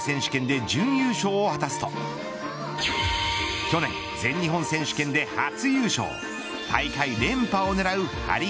２０２１年初出場の世界選手権で準優勝を果たすと去年、全日本選手権で初優勝。